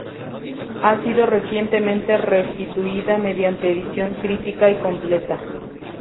Ha sido recientemente restituida mediante edición crítica y completa.